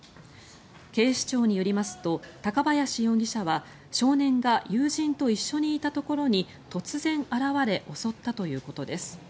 警視庁によりますと高林容疑者は少年が友人と一緒にいたところに突然現れ襲ったということです。